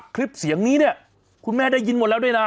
คลิปเสียงนี้เนี่ยคุณแม่ได้ยินหมดแล้วด้วยนะ